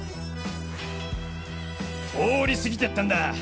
通り過ぎてったんだ